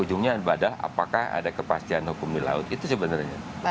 ujungnya ibadah apakah ada kepastian hukum di laut itu sebenarnya